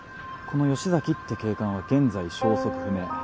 この吉崎って警官は現在消息不明。